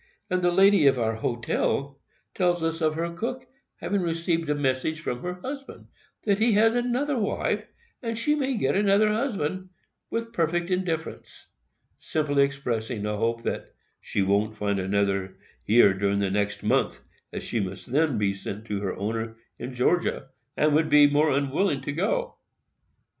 And the lady of our hotel tells us of her cook having received a message from her husband, that he has another wife, and she may get another husband, with perfect indifference; simply expressing a hope that "she won't find another here during the next month, as she must then be sent to her owner, in Georgia, and would be more unwilling to go."